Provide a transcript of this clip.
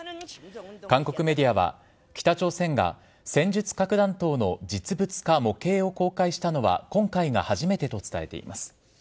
韓国メディアは、北朝鮮が戦術核弾頭の実物か模型を公開したのは今回が初めてと伝えています。